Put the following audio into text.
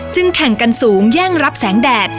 แข่งกันสูงแย่งรับแสงแดด